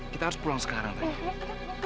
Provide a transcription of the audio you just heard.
kita harus pulang sekarang tadi